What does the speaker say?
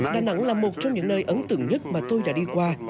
đà nẵng là một trong những nơi ấn tượng nhất mà tôi đã đi qua